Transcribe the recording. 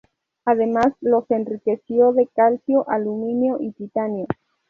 Ademas los enriqueció de calcio, aluminio y titanio.